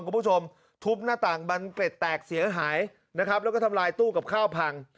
คุณผู้ชมทุบหน้าต่างบันเกร็ดแตกเสียหายนะครับแล้วก็ทำลายตู้กับข้าวพัง